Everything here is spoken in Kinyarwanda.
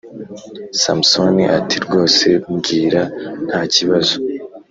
Samusoni ati rwose mbwira nta kibazo